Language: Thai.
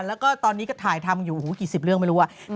แล้วก็ตอนนี้ก็ถ่ายทำอยู่กี่สิบเรื่องไม่รู้ว่า